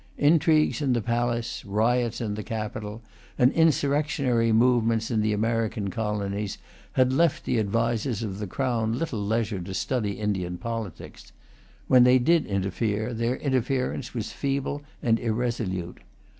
Intrigues in the palace, riots in the capital, and insurrectionary movements in the American colonies, had left the advisers of the Crown little leisure to study Indian politics. When they did interfere, their interference was feeble and irresolute.